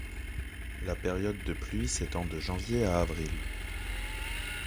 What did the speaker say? La période de pluie s'étend de janvier à avril.